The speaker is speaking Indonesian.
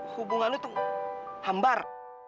hubungan lu tuh hambar